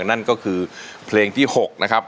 นั่นก็คือเพลงที่๖นะครับ